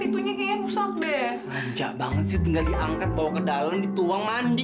itunya kayaknya rusak deh jak banget sih tinggal diangkat bawa ke dalam dituang mandi